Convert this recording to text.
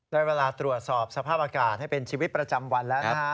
ได้เวลาตรวจสอบสภาพอากาศให้เป็นชีวิตประจำวันแล้วนะฮะ